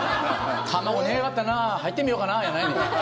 卵、値上がったなあ入ってみようかなあやないねん。